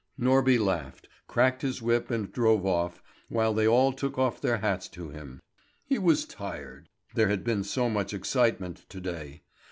Norby laughed, cracked his whip and drove off, while they all took off their hats to him. He was tired. There had been so much excitement to day.